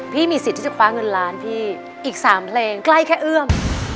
พี่มีสิทธิ์ที่จะคว้าเงินล้านพี่อีก๓เพลงใกล้แค่เอื้อม